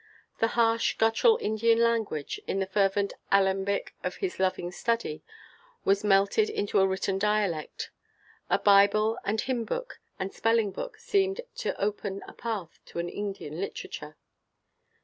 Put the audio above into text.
The harsh guttural Indian language, in the fervent alembic of his loving study, was melted into a written dialect; a Bible and hymn book and spelling book seemed to open a path to an Indian literature.